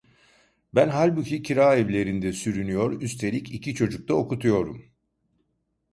Ben halbuki kira evlerinde sürünüyor, üstelik iki çocuk da okutuyorum…